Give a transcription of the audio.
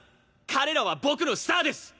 彼らは僕のスターです！